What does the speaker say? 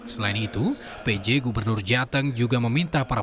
selain itu pj gubernur jateng juga meminta para